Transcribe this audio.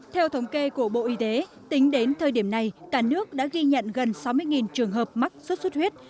theo thống kê của bộ y tế tính đến thời điểm này cả nước đã ghi nhận gần sáu mươi trường hợp mắc sốt xuất huyết